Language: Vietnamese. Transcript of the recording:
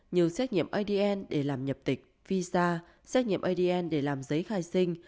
như xét nghiệm adn để làm nhập tịch visa xét nghiệm adn để làm giấy khai sinh